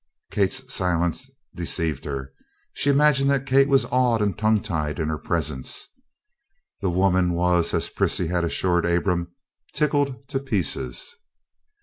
Kate's silence deceived her. She imagined that Kate was awed and tongue tied in her presence. The woman was, as Prissy had assured Abram, "tickled to pieces."